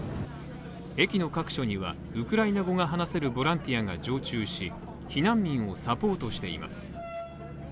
駅の各所にはウクライナ語が話せるボランティアが常駐し避難民をサポートしています。